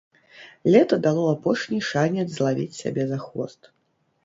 Лета дало апошні шанец злавіць сябе за хвост.